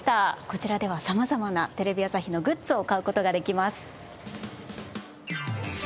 こちらでは様々なテレビ朝日のグッズを買う事ができます。